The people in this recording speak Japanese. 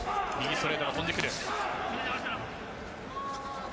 右ストレートが飛んでくる。